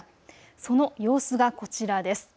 その様子がこちらです。